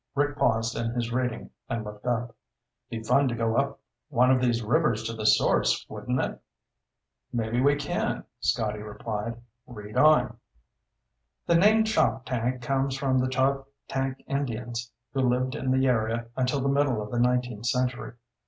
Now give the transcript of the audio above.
'" Rick paused in his reading and looked up. "Be fun to go up one of these rivers to the source, wouldn't it?" "Maybe we can," Scotty replied. "Read on." "'The name Choptank comes from the Choptank Indians who lived in the area until the middle of the nineteenth century.